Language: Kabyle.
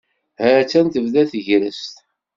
Hattan tebda tegrest.